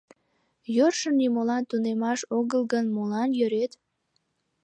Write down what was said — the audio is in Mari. Йӧршын нимолан тунемаш огыл гын, молан йӧрет?